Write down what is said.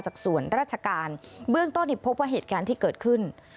จากส่วนราชการเบื้องต้นพบว่าเหตุการณ์ที่เกิดขึ้น